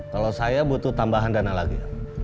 kalau saya butuh tambahan dana lagi